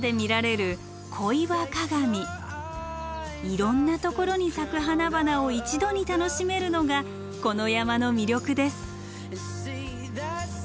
いろんなところに咲く花々を一度に楽しめるのがこの山の魅力です。